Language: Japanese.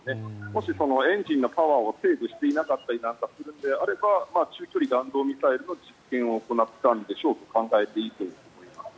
もし、エンジンのパワーをセーブしていたりなんかしていなかったのであれば中距離弾道ミサイルの実験を行ったと考えていいと思います。